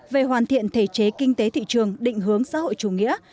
về hoàn thiện thể chế kinh tế thị trường định hướng xã hội chủ nghĩa